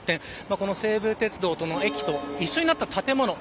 この西武鉄道との駅と一体となった建物。